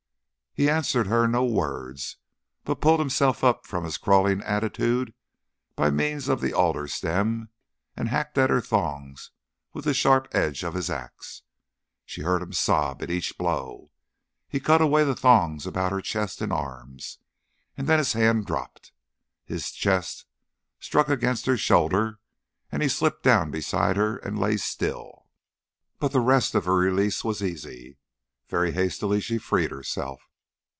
He answered her no words but pulled himself up from his crawling attitude by means of the alder stem, and hacked at her thongs with the sharp edge of his axe. She heard him sob at each blow. He cut away the thongs about her chest and arms, and then his hand dropped. His chest struck against her shoulder and he slipped down beside her and lay still. But the rest of her release was easy. Very hastily she freed herself.